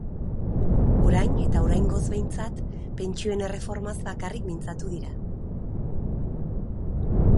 Orain, eta oraingoz behintzat, pentsioen erreformaz bakarrik mintzatu dira.